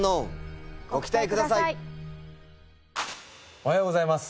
おはようございます。